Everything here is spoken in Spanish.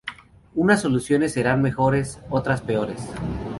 Unas soluciones serán mejores, otras peores.